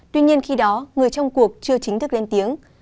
tuy nhiên khi đó người trong cuộc chưa chính thức lên tiếng